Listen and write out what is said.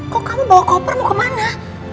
kok kamu bawa koper mau kemana